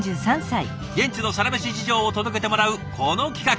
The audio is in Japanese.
現地のサラメシ事情を届けてもらうこの企画。